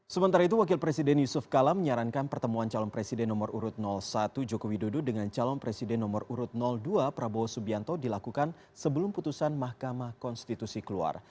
sementara itu wakil presiden yusuf kala menyarankan pertemuan calon presiden nomor urut satu jokowi dodo dengan calon presiden nomor urut dua prabowo subianto dilakukan sebelum putusan mahkamah konstitusi keluar